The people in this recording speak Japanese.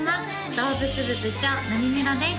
動物部部長なみめろです